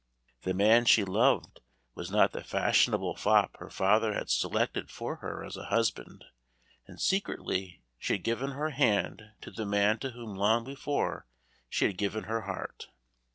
The man she loved was not the fashionable fop her father had selected for her as a husband, and secretly she had given her hand to the man to whom long before she had given her heart.